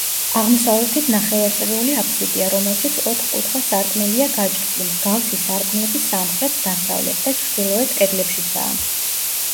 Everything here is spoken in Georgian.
აღმოსავლეთით ნახევარწრიული აფსიდია, რომელშიც ოთხკუთხა სარკმელია გაჭრილი, მსგავსი სარკმლები სამხრეთ, დასავლეთ და ჩრდილოეთ კედლებშიცაა.